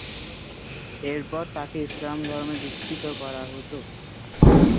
এরপর তাকে ইসলাম ধর্মে দীক্ষিত করা হতো।